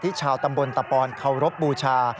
ชาวตำบลตะปอนเคารพบูชา